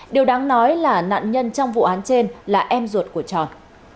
điều đáng nói là nạn nhân trong vụ án trên là em ruột của tròn